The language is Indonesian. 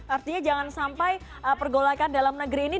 artinya jangan sampai pergolakan dalam negeri ini